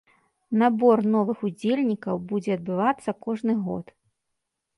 Набор новых удзельнікаў будзе адбывацца кожны год.